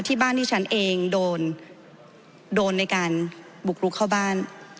ที่บ้านที่ฉันเองโดนในการบุกรุกเข้าบ้าน